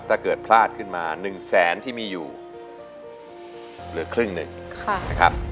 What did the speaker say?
ถ้าเกิดพลาดขึ้นมา๑แสนที่มีอยู่เหลือครึ่งหนึ่งนะครับ